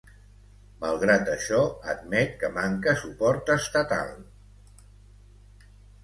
Malgrat això, admet que manca suport estatal.